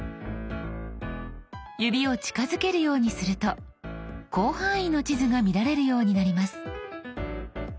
指を近づけるようにすると広範囲の地図が見られるようになります。